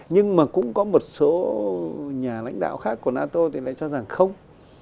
nhưng mà cũng có một số nhà lãnh đạo khác của nato thì lại cho rằng không